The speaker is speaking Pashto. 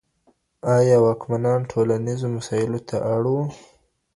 ايا واکمنان ټولنيزو مسايلو ته اړ وو؟